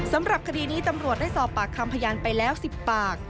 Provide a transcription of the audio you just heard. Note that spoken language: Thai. สำหรับคดีนี้ตำรวจได้สอบปากคำพยานไปแล้ว๑๐ปาก